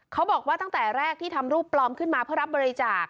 เขาบอกว่าตั้งแต่แรกที่ทำรูปปลอมขึ้นมาเพื่อรับบริจาค